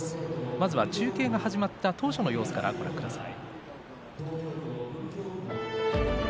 まずは中継が始まった当初の様子からご覧ください。